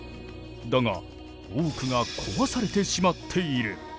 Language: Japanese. だが多くが壊されてしまっている。